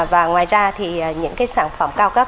và ngoài ra thì những cái sản phẩm cao cấp